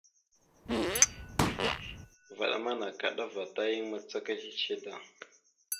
Vvaɗ ma nakaɗava ta yan macaka ciche da.